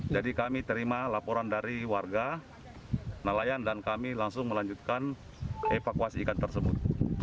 jadi kami terima laporan dari warga nelayan dan kami langsung melanjutkan evakuasi ikan tersebut